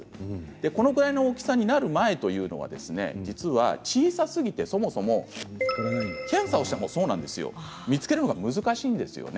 このぐらいの大きさになる前は実は小さすぎて、そもそも検査をしても見つけるのが難しいんですね。